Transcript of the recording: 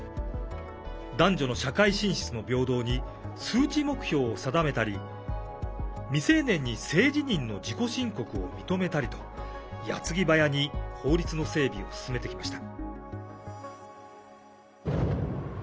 男女の社会進出の平等に数値目標を定めたり未成年に性自認の自己申告を認めたりとやつぎばやに法律の整備を進めてきました。